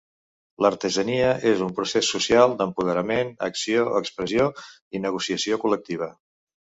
L'artesania és un procés social d'empoderament, acció, expressió i negociació col·lectiva.